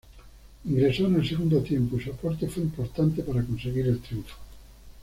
Ingresó en el segundo tiempo y su aporte fue importante para conseguir el triunfo.